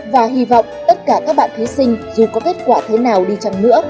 và hy vọng tất cả các bạn thí sinh dù có kết quả thế nào đi chăng nữa